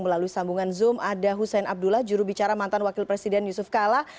melalui sambungan zoom ada hussein abdullah jurubicara mantan wakil presiden yusuf kala